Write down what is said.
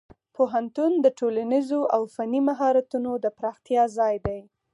پوهنتون د ټولنیزو او فني مهارتونو د پراختیا ځای دی.